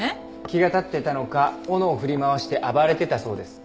気が立ってたのか斧を振り回して暴れてたそうです。